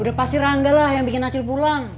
udah pasti rangga lah yang bikin aceh pulang